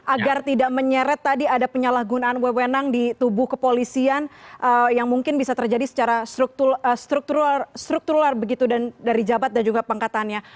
agar tidak menyeret tadi ada penyalahgunaan wewenang di tubuh kepolisian yang mungkin bisa terjadi secara struktural begitu dari jabat dan juga pangkatannya